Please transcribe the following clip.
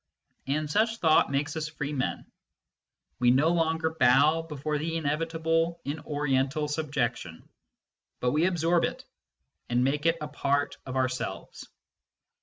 And such thought makes us free men ; we no longer bow before the inevitable in Oriental subjection, but we absorb it, and make it a part of ourselves.